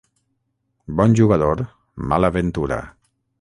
Bon jugador, mala ventura.